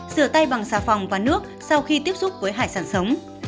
sửa tay bằng xà phòng và nước sau khi tiếp xúc với hải sản sống